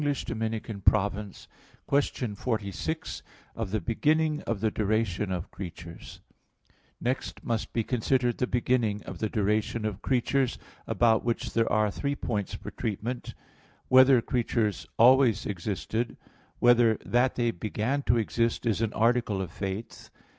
_______________________ QUESTION 46 OF THE BEGINNING OF THE DURATION OF CREATURES (In Three Articles) Next must be considered the beginning of the duration of creatures, about which there are three points for treatment: (1) Whether creatures always existed? (2) Whether that they began to exist is an article of Faith?